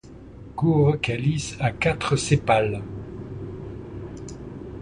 Court calice à quatre sépales.